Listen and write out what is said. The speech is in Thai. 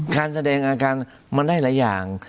การแสดงอาการมันได้หลายอย่าง